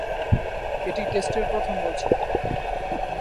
এটি টেস্টের প্রথম বল ছিল।